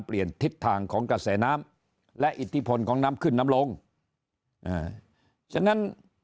ทิศทางของกระแสน้ำและอิทธิพลของน้ำขึ้นน้ำลงอ่าฉะนั้น